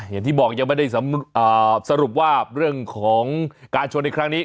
อย่างที่บอกยังไม่ได้สรุปว่าเรื่องของการชนในครั้งนี้